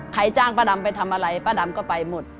จ้างป้าดำไปทำอะไรป้าดำก็ไปหมด